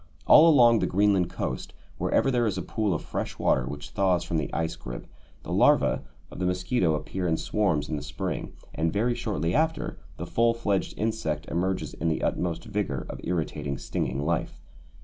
All along the Greenland coast, wherever there is a pool of fresh water which thaws from the ice grip, the larvæ of the mosquito appear in swarms in the spring, and, very shortly after, the full fledged insect emerges in the utmost vigour of irritating stinging life.